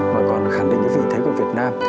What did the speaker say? mà còn khẳng định vị thế của việt nam